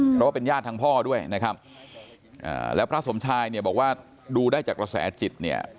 เพราะว่าเป็นญาติทางพ่อด้วยนะครับแล้วพระสมชายเนี่ยบอกว่าดูได้จากกระแสจิตเนี่ย